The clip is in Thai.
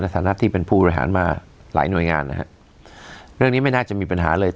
สถานะที่เป็นผู้บริหารมาหลายหน่วยงานนะฮะเรื่องนี้ไม่น่าจะมีปัญหาเลย